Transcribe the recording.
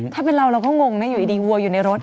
ถ้าเป็นเราเราก็งงนะอยู่ดีวัวอยู่ในรถ